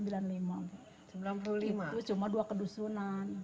itu cuma dua kedusunan